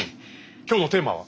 今日のテーマは？